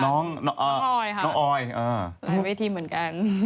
น้องออยนอกออยค่ะ